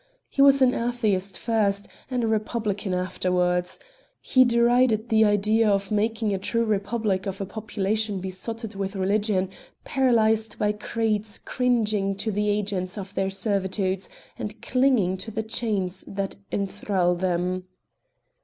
He was an Atheist first and a Republican afterwards. He derided the idea of making a true Republic of a population besotted with religion, paralysed by creeds cringing to the agents of their servitude, and clinging to the chains that enthral them.